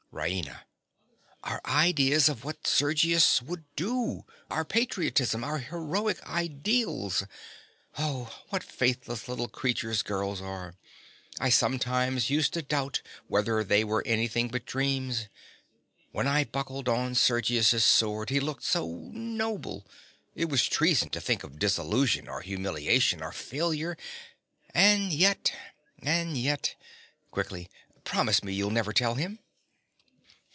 RAINA. Our ideas of what Sergius would do—our patriotism—our heroic ideals. Oh, what faithless little creatures girls are!—I sometimes used to doubt whether they were anything but dreams. When I buckled on Sergius's sword he looked so noble: it was treason to think of disillusion or humiliation or failure. And yet—and yet—(Quickly.) Promise me you'll never tell him.